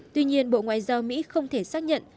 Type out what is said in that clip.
tuy nhiên bộ ngoại giao mỹ không thể xác nhận